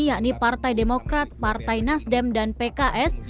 yakni partai demokrat partai nasdem dan pks